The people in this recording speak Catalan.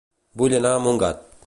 Vull anar a Montgat